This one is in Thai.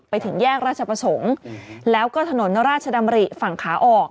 ไปถึงแยกราชประสงค์แล้วก็ถนนราชดำริฝั่งขาออก